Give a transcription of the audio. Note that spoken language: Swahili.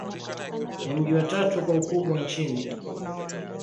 Ni mji wa tatu kwa ukubwa nchini.